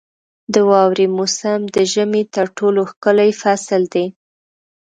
• د واورې موسم د ژمي تر ټولو ښکلی فصل دی.